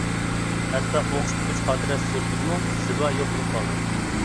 ھەتتا ئوقۇش پۈتتۈرۈش خاتىرە سۈرىتىدىمۇ زىبا يوق بولۇپ قالدى.